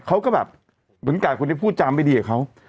เขาก็แบบเหมือนกาดคนนี้พูดจามไม่ดีกับเขา